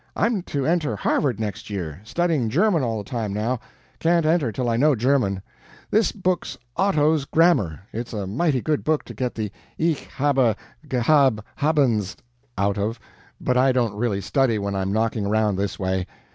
I'm to enter Harvard next year. Studying German all the time now. Can't enter till I know German. This book's Otto's grammar. It's a mighty good book to get the ICH HABE GEHABT HABEN's out of. But I don't really study when I'm knocking around this way.